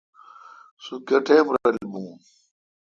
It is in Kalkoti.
سو گیہ ٹئم رل یوں۔